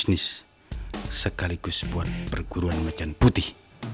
bisnis sekaligus buat perguruan macan putih